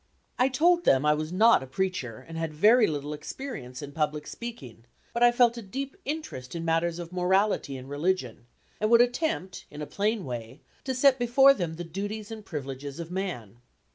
I told them I was not a preacher and had very little experience in public speaking; but I felt a deep interest in matters of morality and religion, and would attempt, in a plain way, to set before them the duties and privileges of man.